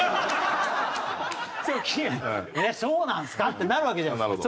「そうなんですか？」ってなるわけじゃないですか。